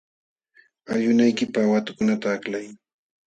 Allwinaykipaq watukunata aklay.